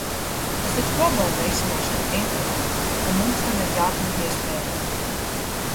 Tas ir problēmu risināšanas instruments, un mums tam ir jādod iespēja.